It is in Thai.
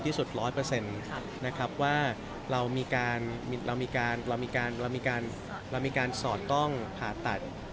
๑๐๐นะครับว่าเรามีการสอดต้องผ่าตัด